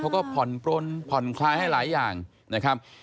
เขาก็ผ่อนปลนผ่อนคลายให้หลายอย่างนะครับ